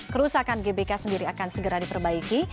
kerusakan gbk sendiri akan segera diperbaiki